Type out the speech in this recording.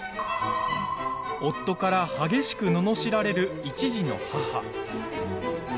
夫から激しくののしられる１児の母。